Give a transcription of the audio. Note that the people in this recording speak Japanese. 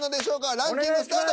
ランキングスタート。